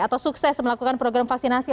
atau sukses melakukan program vaksinasi